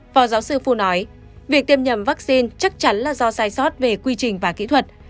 phó giáo sư phu nói việc tiêm nhầm vaccine chắc chắn là do sai sót về quy trình và kỹ thuật